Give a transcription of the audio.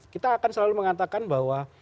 kita akan selalu mengatakan bahwa